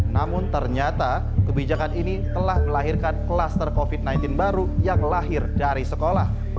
namun ternyata kebijakan ini telah melahirkan kluster covid sembilan belas baru yang lahir dari sekolah